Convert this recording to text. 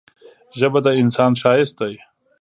ژبه د انسان ښايست دی.